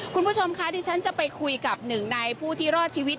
คุณผู้ชมคะดิฉันจะไปคุยกับหนึ่งในผู้ที่รอดชีวิต